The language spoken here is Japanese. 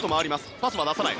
パスは出さない